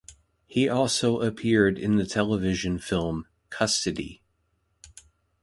He also appeared in the television film "Custody".